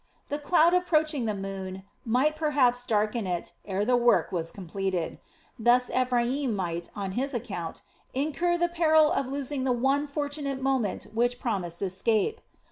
The cloud approaching the moon might perhaps darken it, ere the work was completed. Thus Ephraim might, on his account, incur the peril of losing the one fortunate moment which promised escape.